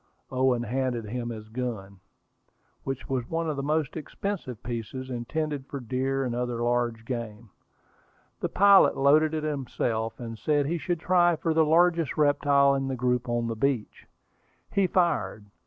Owen handed him his gun, which was one of the most expensive pieces, intended for deer and other large game. The pilot loaded it himself, and said he should try for the largest reptile in the group on the beach. He fired.